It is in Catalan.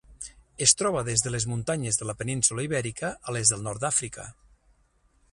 Es troba des de les muntanyes de la península Ibèrica a les del nord d'Àfrica.